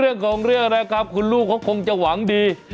เรื่องของเรื่องนะครับคุณลูกเขาคงจะหวังดี